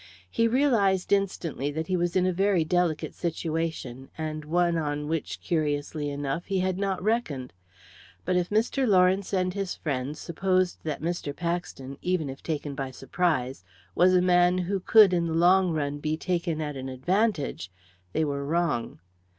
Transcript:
He realised instantly that he was in a very delicate situation, and one on which, curiously enough, he had not reckoned. But if Mr. Lawrence and his friend supposed that Mr. Paxton, even if taken by surprise, was a man who could, in the long run, be taken at an advantage, they were wrong.